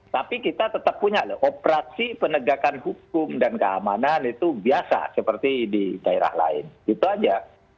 tapi kita tetap punya loh operasi penegakan hukum dan keamanan itu biasa seperti di daerah lain itu aja